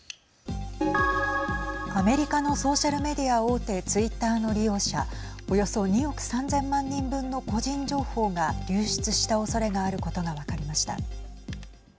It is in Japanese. アメリカのソーシャルメディア大手ツイッターの利用者およそ２億３０００万人分の個人情報が流出したおそれがあることが分かりました。